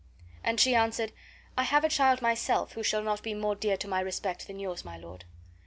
And she answered, "I have a child myself who shall not be more dear to my respect than yours, my lord."